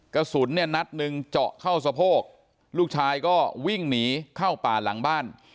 กระสุนเนี่ยนัดหนึ่งเจาะเข้าสะโพกลูกชายก็วิ่งหนีเข้าป่าหลังบ้าน